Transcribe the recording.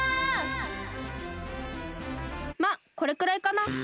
まっこれくらいかな。